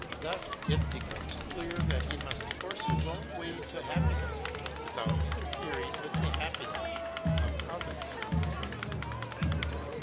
Thus it becomes clear that he must force his own way to happiness, without interfering with the happiness of others.